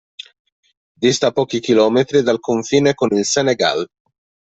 Dista pochi chilometri dal confine con il Senegal.